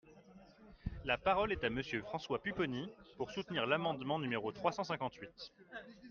La parole est à Monsieur François Pupponi, pour soutenir l’amendement numéro trois cent cinquante-huit.